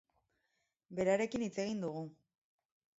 Berarekin hitz egin dugu.